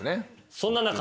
そんな中。